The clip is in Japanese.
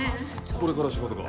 これから仕事か。